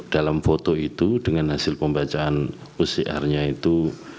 dalam foto itu dengan hasil pembacaan pcr nya itu